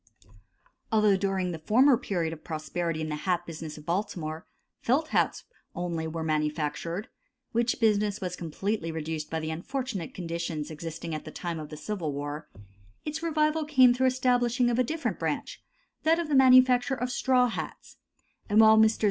Although during the former period of prosperity in the hat business of Baltimore, felt hats only were manufactured, which business was completely reduced by the unfortunate conditions existing at the time of the Civil War; its revival came through the establishing of a different branch, that of the manufacture of straw hats; and while Messrs.